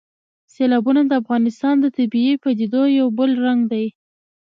سیلابونه د افغانستان د طبیعي پدیدو یو بل رنګ دی.